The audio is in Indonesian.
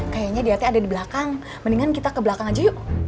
kayaknya dietnya ada di belakang mendingan kita ke belakang aja yuk